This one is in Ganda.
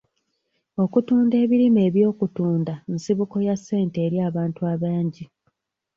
Okutunda ebirime eby'okutunda nsibuko ya ssente eri abantu abangi.